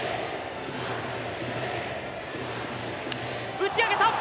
打ち上げた。